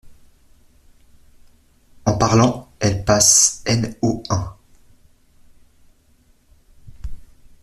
En parlant, elle passe n o un.